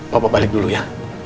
papa balik dulu ya